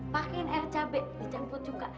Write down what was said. pakain air cabai dijamut juga